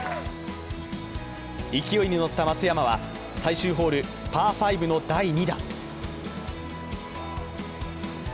勢いに乗った松山は、最終ホール、パー５の第２打。